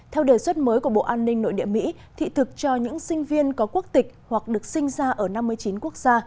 theo đề xuất mới của bộ an ninh nội địa mỹ thị thực cho những sinh viên có quốc tịch hoặc được sinh ra ở năm mươi chín quốc gia